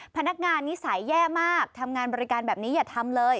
นิสัยแย่มากทำงานบริการแบบนี้อย่าทำเลย